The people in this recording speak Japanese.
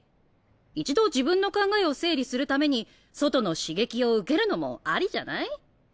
一度自分の考えを整理するために外の刺激を受けるのもありじゃない？